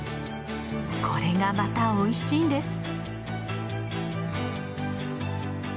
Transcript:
これがまたおいしいんです。